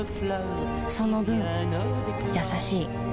その分優しい